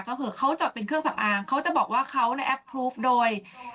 ก็คือเขาจอดเป็นเครื่องสำอางเขาจะบอกว่าเขาในแอปพลูฟโดย